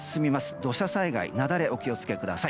土砂災害や雪崩にお気を付けください。